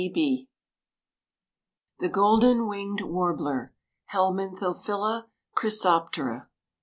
] THE GOLDEN WINGED WARBLER. (_Helminthophila chrysoptera.